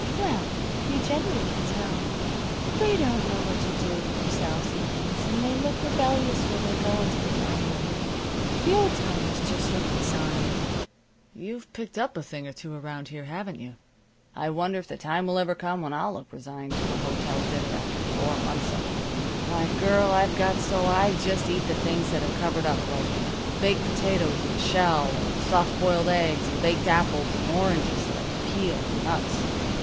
"Well, you generally can tell. They don't know what to do with themselves evenings, and they look rebellious when they go into the dining room. The old timers just look resigned." "You've picked up a thing or two around here, haven't you? I wonder if the time will ever come when I'll look resigned to a hotel dinner, after four months of 'em. Why, girl, I've got so I just eat the things that are covered up like baked potatoes in the shell, and soft boiled eggs, and baked apples, and oranges that I can peel, and nuts."